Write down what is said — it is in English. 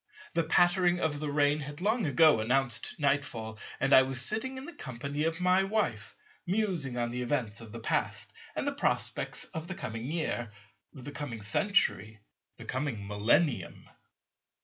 The patterning of the rain had long ago announced nightfall; and I was sitting in the company of my wife, musing on the events of the past and the prospects of the coming year, the coming century, the coming Millennium.